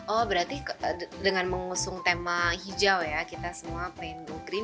oh berarti dengan mengusung tema hijau ya kita semua pengen mengukurin